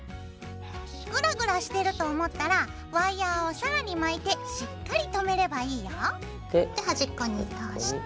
グラグラしてると思ったらワイヤーを更に巻いてしっかりとめればいいよ。で端っこに通して。